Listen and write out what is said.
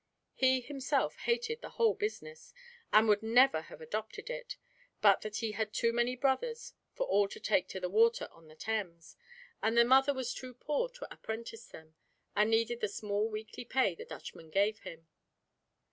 He himself hated the whole business, and would never have adopted it, but that he had too many brothers for all to take to the water on the Thames, and their mother was too poor to apprentice them, and needed the small weekly pay the Dutchman gave him.